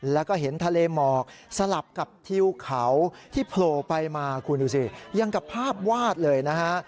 แล้วก็เห็นทะเลหมอกสลับกับทิวเขาที่โผล่ไปมาคุณดูสิยังกับภาพวาดเลยนะฮะ